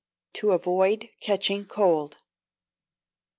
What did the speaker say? To Avoid Catching Cold.